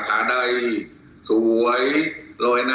ขอบคุณทุกคน